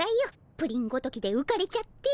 プリンごときでうかれちゃって。